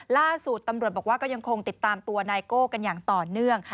ล่าสุดตำรวจบอกว่าก็ยังคงติดตามตัวนายโก้กันอย่างต่อเนื่อง